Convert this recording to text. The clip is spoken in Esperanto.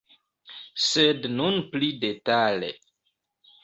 Sed nun pli detale.